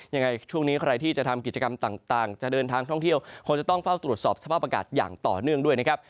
ยังไงช่วงนี้ใครที่จะทำกิจกรรมต่างจะเดินทางท่องเที่ยวคงจะต้องเฝ้าตรวจสอบสภาพอากาศอย่างต่อเนื่องด้วยนะครับ